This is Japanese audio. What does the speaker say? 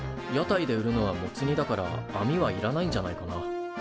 屋台で売るのはモツ煮だからあみはいらないんじゃないかな。